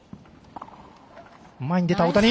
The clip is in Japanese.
前に出た大谷。